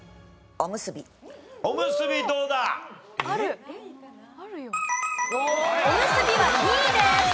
おむすびは２位です。